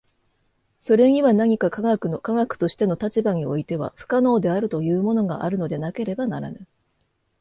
それには何か科学の科学としての立場においては不可能であるというものがあるのでなければならぬ。